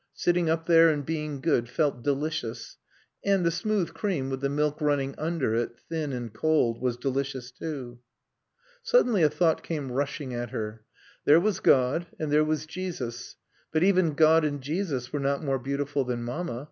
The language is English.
Sitting up there and being good felt delicious. And the smooth cream with the milk running under it, thin and cold, was delicious too. Suddenly a thought came rushing at her. There was God and there was Jesus. But even God and Jesus were not more beautiful than Mamma.